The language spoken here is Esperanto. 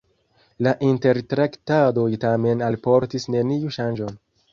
La intertraktadoj tamen alportis neniun ŝanĝon.